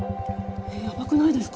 やばくないですか？